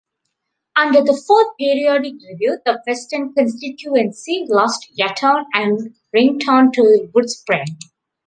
Under the fourth periodic review the Weston constituency lost Yatton and Wrington to Woodspring.